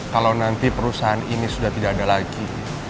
kalau nanti perusahaan ini sudah tidak ada lagi